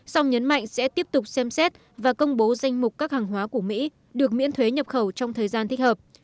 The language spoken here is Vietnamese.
song nhấn mạnh sẽ tiếp tục xem xét và công bố danh mục các hàng hóa của mỹ được miễn thuế nhập khẩu trong thời gian thích hợp